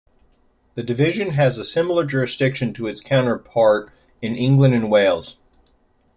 The Division has similar jurisdiction to its counterpart in England and Wales.